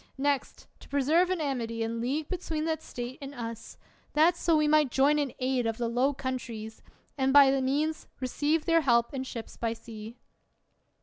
Next, to preserve an amity and league between that State and us; that so we might join in aid of the Low Countries, and by that means receive their help and ships by sea.